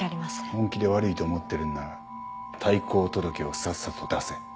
本気で悪いと思ってるなら退校届をさっさと出せ。